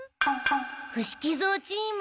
伏木蔵チーム。